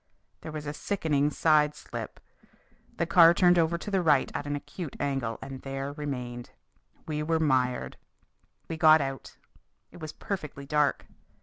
There was a sickening side slip. The car turned over to the right at an acute angle and there remained. We were mired! We got out. It was perfectly dark.